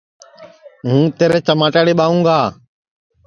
ہوں تیرے چماٹاڑی ٻائوگا